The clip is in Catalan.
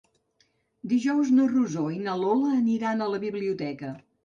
Dijous na Rosó i na Lola aniran a la biblioteca.